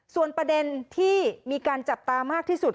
ส่วนประเด็นที่มีการจับตามากที่สุด